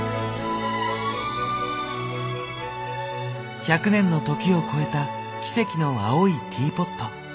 いや１００年の時を超えた奇跡の青いティーポット。